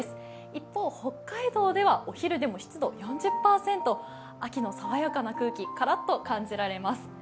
一方、北海道ではお昼でも湿度４０％、秋の爽やかな空気、カラッと感じられます。